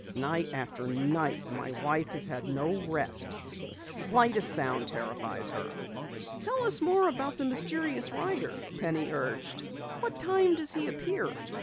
"Night after night my wife has had no rest. The slightest sound terrifies her." "Tell us more about the mysterious rider," Penny urged. "What time does he appear?"